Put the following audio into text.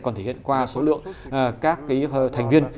còn thể hiện qua số lượng các thành viên